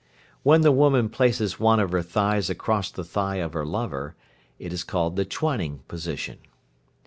When the woman places one of her thighs across the thigh of her lover, it is called the "twining position."